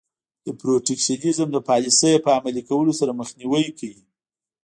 د protectionism د پالیسۍ په عملي کولو سره مخنیوی کوي.